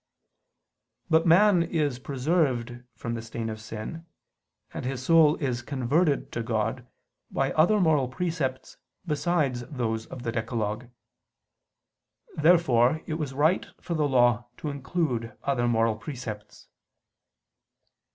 But man is preserved from the stain of sin, and his soul is converted to God by other moral precepts besides those of the decalogue. Therefore it was right for the Law to include other moral precepts.